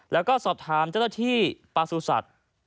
แล้วก็สอบถามเจ้าหน้าที่ปลาสูสัตว์